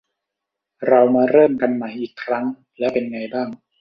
เรามาเริ่มกันใหม่อีกครั้งแล้วเป็นไงบ้าง ?